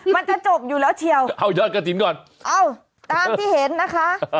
มันจะจบอยู่แล้วเชียวเอายอดกระถิ่นก่อนเอ้าตามที่เห็นนะคะ